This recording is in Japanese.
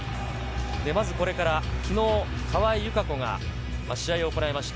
まずこれから昨日、川井友香子が試合を行いました。